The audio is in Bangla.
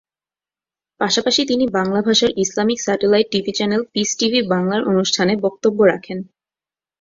পাশাপাশি তিনি বাংলা ভাষার Islamic satellite TV channel peace TV বাংলার অনুষ্ঠানে বক্তব্য রাখেন।